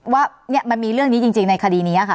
ว่ามันมีเรื่องนี้จริงในคดีนี้ค่ะ